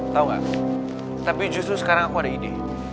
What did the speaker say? tau gak tapi justru sekarang aku ada ide